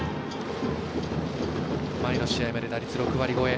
前の試合まで打率６割超え。